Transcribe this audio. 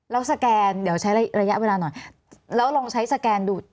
แล้วสแกนเดี๋ยวใช้ระยะเวลาหน่อยแล้วลองใช้สแกนดู